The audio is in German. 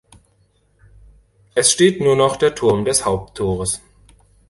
Es steht nur noch der Turm des Haupttores.